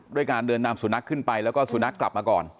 การเดินนำสุนัขขึ้นไปแล้วก็สุนัขกลับมาก่อน